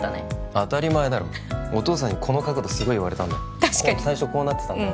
当たり前だろお義父さんにこの角度すごい言われたんだよ最初こうなってたんだよ